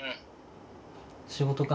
仕事か。